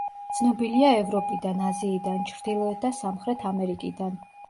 ცნობილია ევროპიდან, აზიიდან, ჩრდილოეთ და სამხრეთ ამერიკიდან.